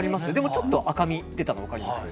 ちょっと赤みが出たの分かります？